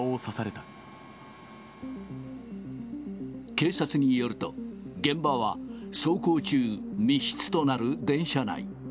警察によると、現場は走行中、密室となる電車内。